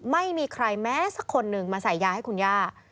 ไม่มีใครแม้สักคนหนึ่งมาใส่ยาให้คุณย่า